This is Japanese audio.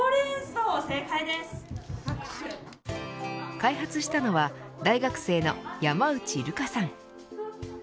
開発したのは大学生の山内瑠華さん。